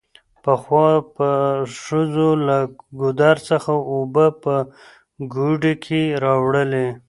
پخوا به ښځو له ګودر څخه اوبه په ګوډي کې راوړلې